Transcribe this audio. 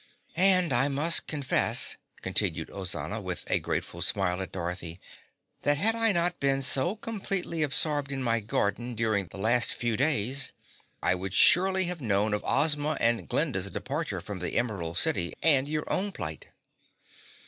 "And I must confess," continued Ozana with a grateful smile at Dorothy, "that had I not been so completely absorbed in my garden during the last few days, I would surely have known of Ozma and Glinda's departure from the Emerald City and your own plight."